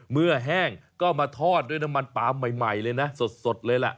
แห้งก็มาทอดด้วยน้ำมันปลามใหม่เลยนะสดเลยล่ะ